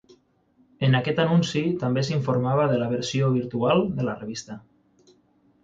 En aquest anunci també s'informava de la versió virtual de la revista.